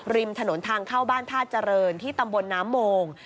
ริมถนนทางเข้าบ้านท่าเจริญที่ตำบลน้ำโมง